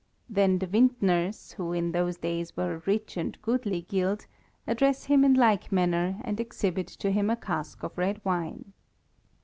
Then the vintners, who in those days were a rich and goodly Guild, address him in like manner, and exhibit to him a cask of red wine.